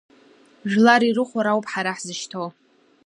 Жәлар ирыхәара ауп ҳара ҳзышьҭоу.